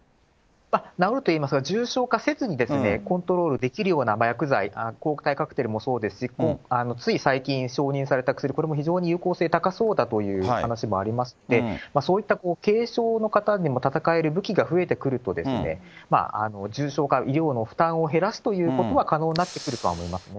治るといいますか、重症化せずにコントロールできるような薬剤、抗体カクテルもそうですし、つい最近承認された薬、これも非常に有効性高そうだという話もありまして、そういった軽症の方にも、闘える武器が増えてくると、重症化、医療の負担を減らすということは可能になってくるとは思いますね。